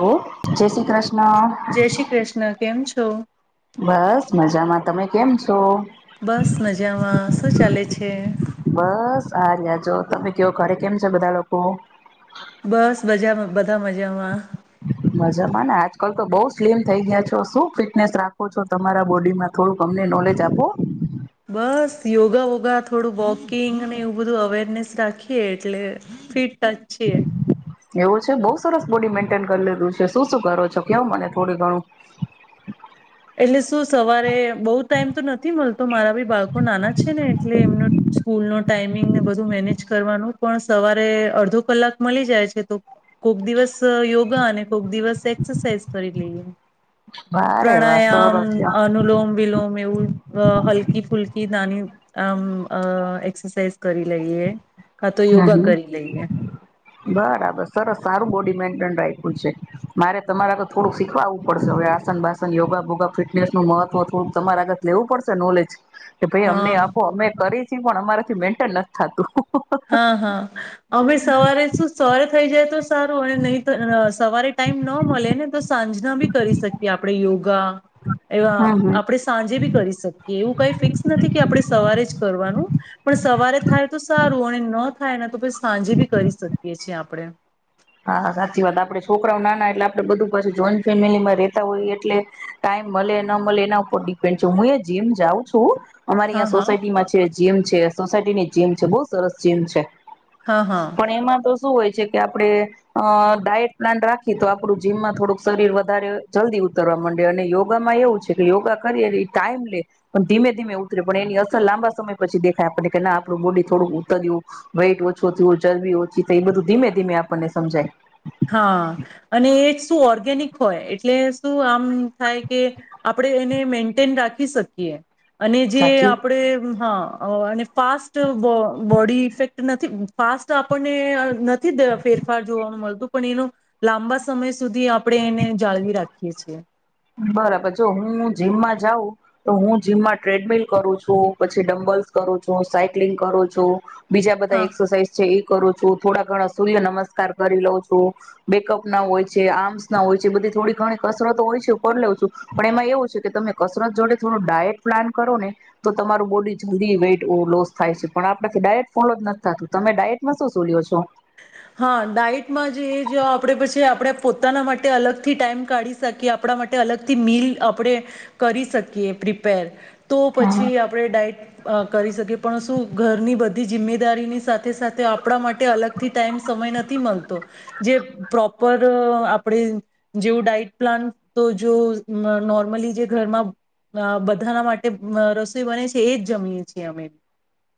Hello જય શ્રી કૃષ્ણ, જય શ્રી કૃષ્ણ કેમ છો બસ. મજામાં, તમે કેમ છો? બસ મજામાં, શું ચાલે છે? બસ આર્યા જો, તમે કો ઘરે કેમ છે બધા લોકો? બસ મજા બધા મજામાં. મજામાં ને આજકાલ તો બઉ સ્લિમ થઈ ગયા છો શું ફિટનેસ રાખો છો તમારા બોડીમાં થોડુંક અમને નોલેજ આપો. બસ યોગા વોગા થોડું વોકિંગને એવું બધું અવેરનેસ રાખીએ એટલે ફિટ ટચ છીએ. એવું છે બઉ સરસ બોડી મેન્ટેન કરી લીધું છે શું શું કરો છો કેવ મને થોડ ઘણું. એટલે શું સવારે બહુ ટાઈમ તો નથી મળતો મારા બી બાળકો ટાઈમિંગને બધું મેનેજ કરવાનું પણ સવારે અડધો કલાક મળી જાય છે, તો કોક દિવસ યોગા અને કોક દિવસ એક્સરસાઇઝ કરી લઈએ. વારે વા પ્રાણાયામ, સરસ અનુલોમ વિલોમ એવું હલકી ફુલકી નાની. આમ અ એક્સરસાઇઝ કરી લઈએ. કા તો યોગા હમ કરી લઈએ બરાબર સરસ સારું બોડીમેન્ટ ્યું છે મારે તમારે આગત થોડુંક શીખવાવું પડશે હવે આસન બાસન યોગા ભોગા ફિટનેસ નું મહત્વ થોડુંક તમારે આગત લેવું પડશે નોલેજ કે ભાઈ અમને હા આપો અમે કરી છી પણ અમારે મેન્ટેન નથી થતું હા હા અમે સવારે શું સવારે થઈ જાય તો સારું નહી સવારે ટાઈમ ન મળે ને તો સાંજે બી કરી શકીએ આપણે ય ા એવા હા આપણે સાંજે બી કરી શકીએ એવું કઈ ફિક્સ નથી કે આપણે સવારે જ કરવાનું પણ સવારે થાય તો સારું ન થાય ને તો પછી સાંજે બી કરી શકીએ છીએ આપણે [unintelligible] હા સાચી વાત આપડે છોકરાઓ નાના એટલે આપડે બધું પાછું જોઈન્ટ ફેમિલીમાં રેતા હોય એટલે ટાઈમ મળે ન મળે એના ઉપર ડિપેન્ડ છે હું એ જીમ જાઉં છું અમારી હા અયાં હા સોસાયટી માં છે જીમ છે સોસાયટીની જીમ છે બહુ સરસ જીમ છે. હા હા પણ એમાં તો શું હોય છે કે આપડે અ ડાયટ પ્લાન રાખી તો આપડું જીમમાં થોડુંક શરીર વધારે જલ્દી ઉતરવા મંડે અને યોગામાં એવું છે કે યોગા કરી એ એવી ટાઈમ લે પણ ધીમે ધીમે ઉતરે પણ એની અસર લાંબા સમય પછી દેખાય આપણે કે ના આપડુ બોડી થોડુંક ઉતર્યું વેઇટ ઓછું થયું ચરબી ઓછી થઈ બધું ધીમે ધીમે આપણને સમજાય હા અને એ શું ઓર્ગેનિક હોય એટલે શું આમ થાય કે આપડે એને મેન્ટેન રાખી શકીએ. અને જે સાચું આપડે હા અને પાસ્ટ બોડી ઇફેક્ટ નથી પાસ્ટ આપણને ન થી [unintelligible] ફેરફાર જોવાનું મળતું. પણ એનો લાંબા સમય સુધી આપડે એને જાળવી રાખીએ છીએ. બરાબર જો હું જીમમાં જાઉં તો હું જીમમાં ટ્રેડમિલ કરું છું પછી ડમ્બલ્સ કરું છું સાયક્લિંગ કરું છું. બીજા બધા હા એક્સરસાઇઝ છે એ કરું છું થોડા ઘણા સૂર્ય નમસ્કાર કરી લઉં છું બેકઅપ ના હોય છે આર્મ્સ ના હોય છે બધી થોડી ઘણી કસરતો હોય છે. [unintelligible] લઉં છું પણ એમાં એવું છે કે તમે કસરત જોડે થોડું ડાયટ પ્લાન કરો ને તો તમારું બોડી જલ્દી વેટ લોસ થાય છે પણ આપડાથી ડાયટ ફોલો જ નથી થતું તમે ડાયટમાં શું શું લ્યો છો? હા ડાયટમાં જે જે આપડે પછી આપડે પોતાના માટે અલગથી ટાઈમ કાઢી શકીએ આપડા માટે અલગથી મીલ આપડે કરી શકીએ પ્રિપેર. તો હમ પછી આપડે ડાઇટ અ કરી શકીએ પણ શું ઘરની બધી જિમ્મેદારીની સાથે સાથે આપડા માટે અલગ થી ટાઈમ સમય નથી મળતો જે પ્રોપર આપણે જેવું ડાઈટ પ્લાન તો જો નોર્મલી જે ઘરમાં બધાના માટે રસોઈ બને છે એ જ જમીએ છીએ અમે.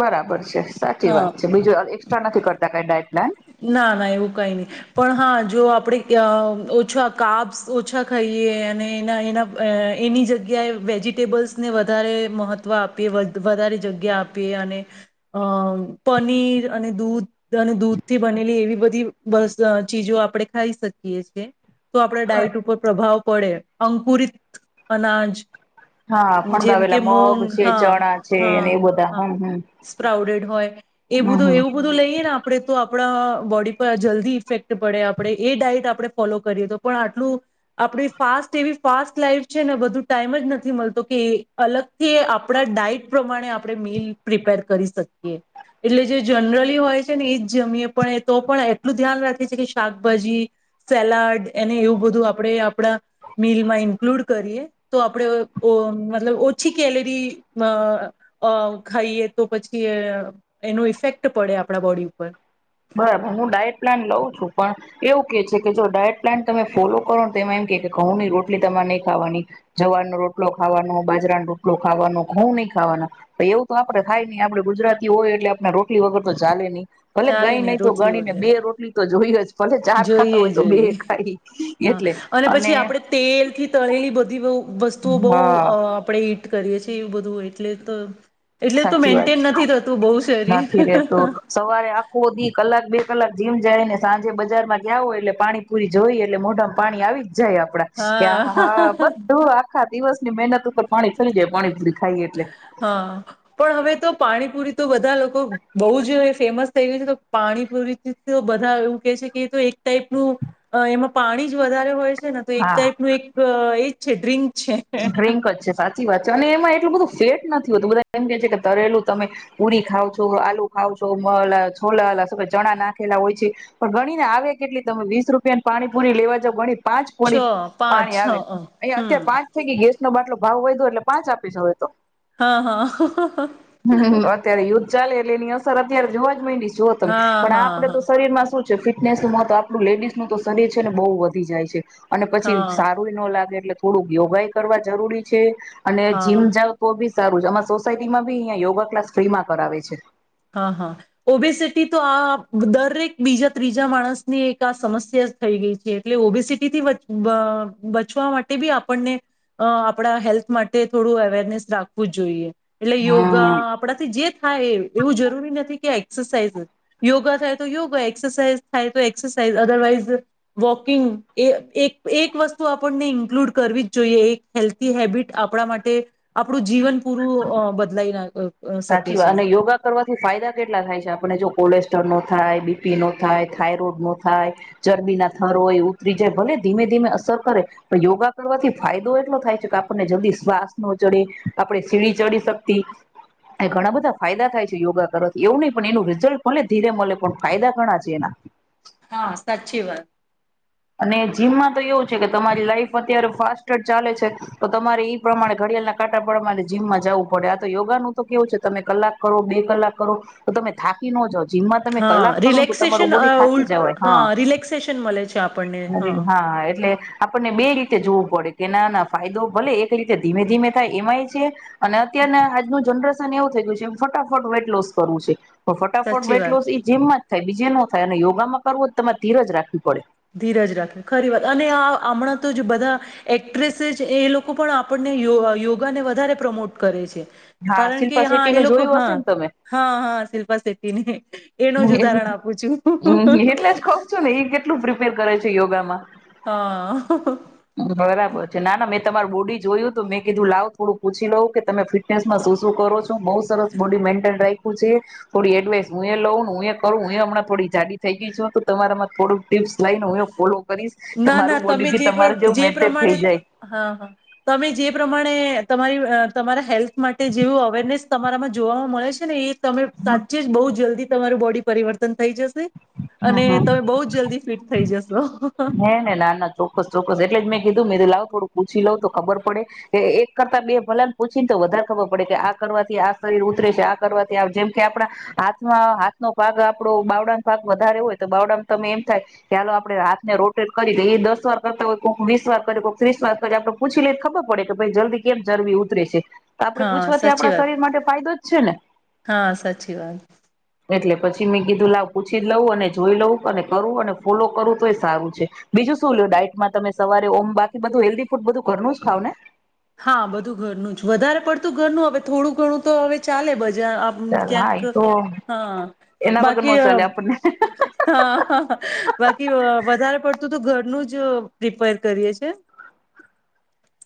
બરાબર છે સાચી હા વાત છે બીજું એકસ્ટ્રા નથી કરતા કઈ ડાયટ પ્લાન ના ના એવું કઈ નઈ પણ હા જો આપડી ઓછા કાપ્સ ઓછા ખાઈએ અને એના એના એની જગ્યાએ વેજીિટેબલ્સને વધારે મહત્ત્વ આપીએ વધારે જગ્યા આપીએ અને અ પનીર અને દૂધ અને દૂધ થી બનેલી એવી બધી [unintelligible] ચીજો આપડે ખાઈ શકીએ છે. તો આપડે ડાઇટ ઉપર પ્રભાવ પડે અંકુરિત અનાજ હા જેમ કે ફણગાવેલા મગ મૂગ છે હા ચણા છે અને એ હા બધા હ હમ હમ સ્પ્રાઉડેડ હોય એ હમ બધું હમ એવું બધું લઈએ ને આ તો આપડા બોડી પર જલ્દી ઇફેક્ટ પડે આપડે એ ડાઇટ આપડે ફોલો કરીએ તો પણ આટલું આપદી ફાસ્ટ એવી ફાસ્ટ લાઈફ છે ને બધું ટાઈમ જ નથી મળતો કે અલગથી આપડા ડાઈટ પ્રમાણે આપડે મીલ પ્રિપેર કરી શકીએ, એટલે જે જનરલી હોય છે ને એ. જમીએ પણ એ તો પણ એટલું ધ્યાન રાખી છે, કે શાકભાજી સેલાડ એને એવું બધું આપડે આપડા મીલમાં ઇન્કલુડ કરીએ તો આપડે ઓ મતલબ ઓછી કેલરી અ ખાઈએ તો પછી એનો ઇફેક્ટ પડે આપડા બોડી ઉપર. બરાબર હું ડાયટ પ્લાન લઉં છું પણ એવું કે છે કે, જો ડાયટ પ્લાન તમે ફોલો કરો ને તેમાં એમ કે ઘઉં ની રોટલી તમારે નહી ખાવાની જવારનો રોટલો ખાવાનો, બાજરાનો રોટલો ખાવાનો ઘઉં નઈ ખાવાના. એવું તો આપડે ખાય નઈ આપડે ગુજરાત થી હોય એટલે આપણે રોટલી વગર તો ચાલે ની. ચાલે ગઈ નહી તો રોટલી ગણી ને વગર બે રોટલી તો હોય જ. ભલે ચાર ખાતા જોઈએ હોય તો બે જોઈએ ખાઈ હા અને પછી આપડે તેલ થી તળેલી બધી બઉ. વસ્તુઓ બહુ હા અ આપડે. કરીએ છીએ એવું બધું એટલે તો એટલે તો સાચી વાત મેન્ટેન છે નથી થતું બહુ શરીર નથી રેતો સવારે આખુંધી કલાક બે કલાક જીમ જાડીને સાંજે બજારમાં જઓ એટલે પાણી પૂરી જોઈ એટલે મોઢામાં પાણી આવી જ જાય આપડા કે આ હા બધું આખા દિવસ ની મહેનત ઉપર પાણી ફેલી જાય પાણી પુરી. હા. પણ હવે તો પાણીપુરી તો બધા લોકો બહુ જ ફેમસ થઈ ગય છે તો પાણી પૂરી તો બધા એવું કે છે કે એક ટાઈપનું એમાં પાણી જ વધારે હોય. ને તો એક ટાઈપ ન એક છે ડ્રિંક છે ડ્રિન્કજ છે સાચી વાત છે, અને એમાં એટલું બધું સેટ નથી હોતું બધા એમ કે છે કે તરેલું તમે પુરી ખાવ છો, આલુ ખાવ, છોલા છોલા ચણા નાખેલા હોય છે, પણ ગણીને આવે કેટલી તમે વીસ રૂપિયાની પાણીપુરી લેવા જાવ ગણી પાંચ છ પોડી પાંચ પાણી છ આવે અ. અહીયા હમ અત્યારે પાંચ ગેસ નો બાટલો ભાવ વધો એટલે પાંચ આપી જ હ તો હા હા. હમ અત્યારે યુદ્ધ ચાલે એટલે એની અસર અત્યારે જોવા જ મંડી. જો તમે હા પણ હા આપડે તો હા શરીર માં શું ફિટનેસ નું મહત્વ આપણું લેડીઝ નું તો શરીર છે ને બહુ વધી જાય છે. અને પછી હા સારું એ ન લાગે એટલે થોડું. યોગાઈ કરવા જરૂરી છે. અને જીમ હા જાવ તો બી સારું છે, અમા સોસાયટીમાં બી અહં યોગા ક્લાસ ફ્રી માં કરાવે છે. હા હા ઓબેસિટી તો આ દરેક બીજા ત્રીજા માણસની એક આ સમસ્યા જ થઈ ગઈ છે, એટલે ઓબેસીિટીથી બચવા માટે બી આપણને આપણા હેલ્થ માટે થોડું અવેરનેસ રાખવું જ જોઈએ. એટલે યોગા. હમ આપડાથી જે થાય એ એવું જરૂરી નથી કે એક્સરસાઇઝ યોગા થાય તો યોગા એક્સરસાઇઝ થાય તો એક્સરસાઇઝ, અદરવાઈઝ વોકિંગ એ એક એક વસ્તુ આપણને ઇન્કલુડ કરવી જ જોઈએ એક હેલ્થી હેબિટ આપણા માટે આપણું જીવન પૂરું બદલાઈ નાખ સાચી વાત અને યોગા કરવા ફાયદા કેટલા થાય છે આપને જો કોલેસ્ટ્રોલ નો થાય, બીપી નો થાય, થાયરોઈડ નો થાય, ચરબી ના થર હોય ઉતરી જાય, ભલે ધીમે ધીમે અસર કરે પણ યોગા કરવાથી ફાયદો એટલો થાય છે કે આપણને જલ્દી શ્વાસ ન ચડે આપણે સીડી ચડી શકતી એ ઘણા બધા ફાયદા થાય છે યોગા કરવાથી એવું નહીં પણ એનું રિઝલ્ટ મળે ધીરે મળે પણ ફાયદા ઘણા છે એના. હા સાચી વાત. અને જીમમાં તો એવું છે કે તમારી લાઈફ અત્યારે ફાસ્ટ ચાલે છે તો તમારે એ પ્રમાણે ઘડિયાળના કાંટા પ્રમાણે જીમમાં જવું પડે, આ તો યોગાનું તો કેવું છે તમે કલાક કરો બે કલાક કરો તો તમે થાકી ન જ હા રિલેક્સેેશન થાકી ઉલ હા રિલેક્સેેશન મળે છે આપ અરે હા. એટલે આપણને બે રીતે જોવું પડે કે નાના ફાયદો ભલે એક રીતે ધીમે ધીમે થાય એમાંય છે. અને અત્યને આજનું જનરેશ એવું થઈ ગયું છે ફટાફટ વેટ લોસ કરવું છે. તો ફટાફટ સાચી બેટલો વાત જીમમાં. થાય બીજે ન થાય અને યોગામાં કરવું તો તમારે ધીરજ રાખવી પડે. ધીરજ રાખવી ખરી વાત અને આ હમણાં તો જે બધા એક્ટ્રેસેસ એ લોકો પણ આપણને યો યોગાને વધારે પ્રમોટ કરે છે. હા કારણ કે શિલ્પા હા શેટ્ટી નું એ જોયું લોકોક હા હશે ને તમે હા હા શિલ્પા શ તને. એટલે જ કઉ છું ને એ કેટલું પ્રિ પર કરે છે યોગામાં. હા. બરાબર છે ના ના મે તમાર બોડી જોયું તો મેં કીધું લાવ થોડું પૂછી લઉં કે તમે ફિટનેસમાં શું શું કરો છો? બહુ સરસ બોડી મેન્ટેન ર પૂછી થોડી એડવાઈસ હું એ લઉં. હું એ કરું હું હમણાં થોડી જાડી થઈ ગઈ છું તો તમારામાં થોડું. ના મારું ના તમે બોડી બી તમારે જેવું જે મેન્ટેન થઈ પ્રમાણે જાય. હા હ તમે જે પ્રમાણે તમારી. તમારા હેલ્થ. માટે જેવું અવેરનેસ તમારામાં. જોવામાં મળે છે ને એ. તમે હમ સાચી જ બહુ જલ્દી. તમારું બોડી પરિવર્તન થઈ જશે. અને હમ. તમે બઉ જલ્દી ફિટ. થઈ જસો. હે ના ચોક્કસ ચોક્કસ એટલે જ મેં કી કું મે લાવું થોડું પૂછી લઉ તો ખબર પડે કે એક કરતા બે ભલાને પૂછી ને તો વધારે ખબર પડે કે આ કરવાથી આ શરીર ઉતરે છે, આ કરવાથી જેમ કે આપણા હાથમાં હાથનો ભાગ આપડો બાવડા ભાગ વધારે હોય તો બાવડા તમે એમ થાય કે હાલો આપણે હા ને રોટેટ કરી દ એ દસ વાર કરતા હોય કોઈક વીસ વાર કરી કોઈક ત્રીસ વાર કર આપડે પૂછી લઈ ખબર પડે કે ભાઈ જલ્દી કેમ ચરબી ઉતરે છે. તો આપણે હા પૂછવાથી સાચી આપણા વાત શરીર માટે ફાયદો જ છે ને. હા સાચી વાત. એટલે પછી મેં કીધું લાવ પૂછી જ લઉં, અને જોઈ લઉું, અને કરું અને ફોલો કરું તો એ. સારું છે બીજું શું લ ડાયટમાં તમે સવારે ઓમ બાકી બધું હેલ્ધી ફૂડ બધું ઘરનું જ ખાવ ને? હા બધું ઘરનું જ વધારે પડતું ઘરનું હવે થોડું ઘણું તો હવે ચાલે બ ચાલ હા એ તો એના વગર બાકી ન ચાલે આપણને. હા હ બાકી વધારે પડતું તો ઘરનું જ પ્રિપેર કરીએ છે.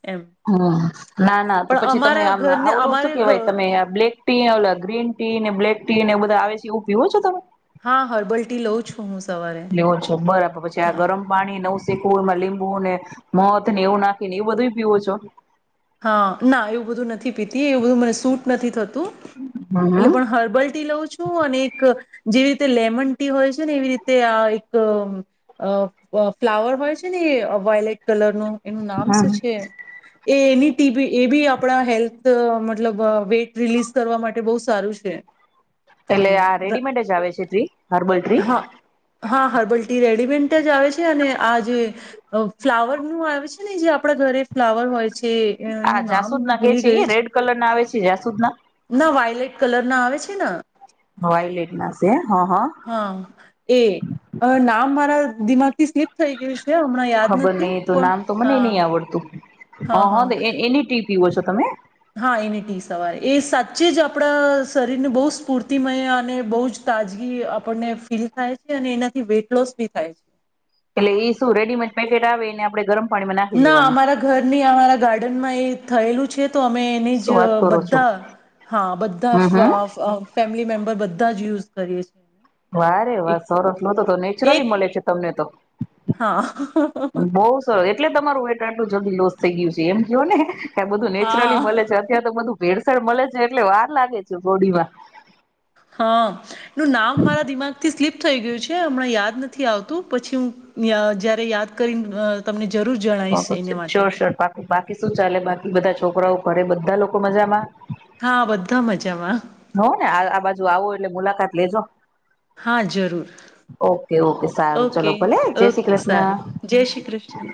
એમ હમ્મ. ના ના તો પણ પછી તમે અમારા આમ ઘરને આવલું અમારે શું કેવાય તમે બ્લેક ટી, ઓ ગ્રીન. ટી ને બ્લેક ટી ને એ બધા આવે છે એવું પીવો છો તમે? હા હર્બલ ટી લઉં છું. હું સવારે લેઓ છો બરાબર પછી આ હા ગરમ પાણી નવ. શીમાં લીંબુ ને મધ ને એવું નાખીને એવું બધું પીવો છો? હ ના એવું બધું નથી પીતી એવું બધું મને સૂટ નથી થત તું હમ એટલે પણ હર્બલ ટી લઉં છું, અને એક. જેવી રીતે લેમન ટી હોય છે, ને એવી રીતે આ એક અ અ ફ્લાવર હોય છે ને વાયલેટ કલરનું. એનું નામ શું હમ. છે એ એની ટી બી એબી આપણા હેલ્થ મતલબ વેઇટ રિલીઝ કરવા માટે બહુ સારું છે. એટલે આ રેડીમેડ જ આવે છે, ટ્રી હર્બલ ટ્રી તેજ આવે છે અને આ જે ફ્લાવર નું આવે છે ને જે આપડા ઘરે ફ્લાવર હોય છે. એનું આ નામ જાસૂદ હું ના કે ભૂલી છે ગયું ઇ રેડ કલર ના આવે છે, જાસૂદ ના ના વાયલેટ કલર ના આવે છે ને વઇલેટ ના છે હ હ હા એ અના મા અ દિમાગથી સ્કીપ થઈ ગયું છે હમણાં યાદ ખબર નથી પણ હા હા હા તો એની ટી ઇ પીવો છો તમે? હા એને ટી સવાર એ સાચે જ આપણા શરીરને બહુ સ્ફૂર્તિમય અને બહુ જ તાજગી આપણને ફીલ થાય છે અને એનાથી વેઇટ લોસ બી થાય છે. એટલે એ શું રેડીમેડ પેકેટ આવે એને આપણે ગરમ પાણીમાં નાખી ના દેવાનું અમારા ઘરની અમારા ગાર્ડનમાં એ થયેલું છે. તો અમે એને શું જ વાત કરો છો બધા હા બધા હમ ફ હમ ફ ફેમિલી મેમ્બર બધા જ યુઝ કરીશ. વારે વાર સરસ લો તો તો એક નેચરલી મળે છે તમને તો હા. બઉ સર એટલે તમારું વેટ આટલું જલ્દી લોસ થઈ ગયું છે એમ કહો ને. એ બધું હા. નેચરલી મળે છે અત્યારે તો બધું ભેળસળ મળે છે એટલે વાર લાગે છે બોડીમાં. હ, અ. નું નામ મારા દિમાગથી સ્લીપ થય ગયું છે, હમણાં યાદ નથી આવતું પછી હું જયારે યાદ કરી તમને જરૂર જણાવીશ એને [unintelligible] માટે શ્યોર સ્યોર બાકી બાકી શું ચાલે બાકી. બધા છોકરાઓ, ઘરે બધા લોકો મજામાં. હા બધા મજામાં. હોવ ને આ આ બાજુ આવો એટલે મુલાકાત લેજો. હા જરૂર ઓકે ઓકે સારું ચલો ઓકે ભલે. જય શ્રી ઓકે કૃષ્ણ. સારું જય શ્રી કૃષ્ણ.